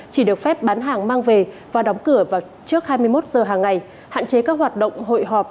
chỉ được phép bán hàng mang về và đóng cửa vào trước hai mươi một giờ hàng ngày hạn chế các hoạt động hội họp